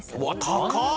高っ！